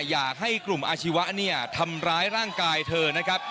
อยากให้กลุ่มอาชีวะเนี่ยทำร้ายร่างกายเธอนะครับ